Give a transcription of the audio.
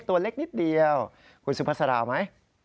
ตัวเล็กนิดเดียวคุณสุภาษาราไหม